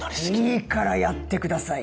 いいからやってください。